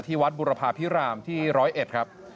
วัดบุรพาพิรามที่๑๐๑ครับ